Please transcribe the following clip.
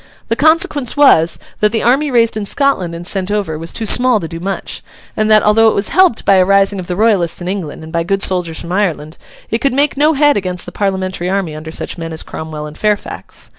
The consequence was, that the army raised in Scotland and sent over, was too small to do much; and that, although it was helped by a rising of the Royalists in England and by good soldiers from Ireland, it could make no head against the Parliamentary army under such men as Cromwell and Fairfax.